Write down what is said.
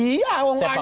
iya negara itu